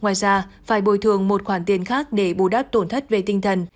ngoài ra phải bồi thường một khoản tiền khác để bù đắp tổn thất về tinh thần